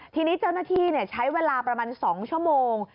ทีนี้เจ้าหน้าที่ใช้เวลาประมาณ๒ชั่วโมง